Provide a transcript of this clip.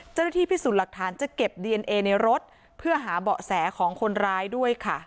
เจ้าหน้าที่พิสูจน์หลักฐานจะเก็บดีเอนเอในรถเพื่อหาเบาะแสของคนร้ายด้วยค่ะ